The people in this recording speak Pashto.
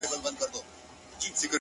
لکه لوبغاړی ضرورت کي په سر بال وهي-